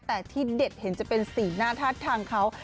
แต่ที่เด็ดเห็นจะเป็นสีหน้าท่าทางเขา